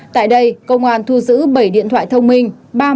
tại đây cơ quan thu giữ bảy điện thoại thông minh